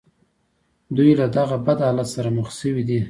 دوی له دغه بد حالت سره مخ شوي دي